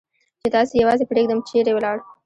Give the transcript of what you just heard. چې تاسې یوازې پرېږدم، چېرې ولاړ؟